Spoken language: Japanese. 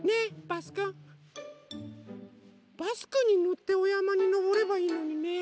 バスくんにのっておやまにのぼればいいのにね。